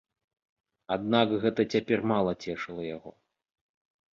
Аднак гэта цяпер мала цешыла яго.